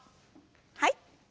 はい。